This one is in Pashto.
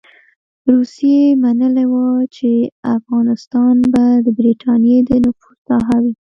روسيې منلې وه چې افغانستان به د برټانیې د نفوذ ساحه وي.